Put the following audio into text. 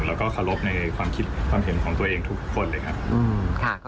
แล้วก็เคารพในความคิดความเห็นของตัวเองทุกคนเลยครับ